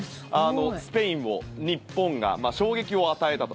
スペインを日本が衝撃を与えたと。